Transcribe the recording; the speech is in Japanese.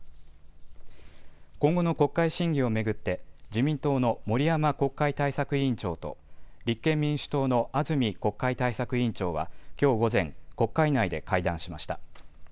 今後の国会審議を巡って自民党の森山国会対策委員長と立憲民主党の安住国会対策委員長はきょう午前、国会内で会談しました。